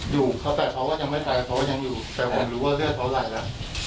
อยู่แต่เขาก็ยังไม่ไปเขาก็ยังอยู่แต่ผมรู้ว่าเลือดเขาไหลแล้ว